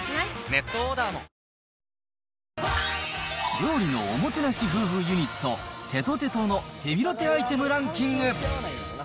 料理のおもてなし夫婦ユニット、てとてとのヘビロテアイテムランキング。